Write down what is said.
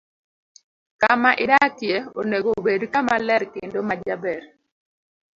Kama idakie onego obed kama ler kendo ma jaber.